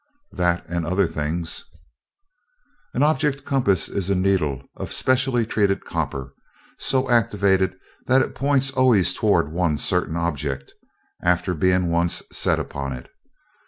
"That and other things." "An object compass is a needle of specially treated copper, so activated that it points always toward one certain object, after being once set upon it.